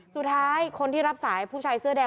สุดท้ายคนที่รับสายผู้ชายเสื้อแดง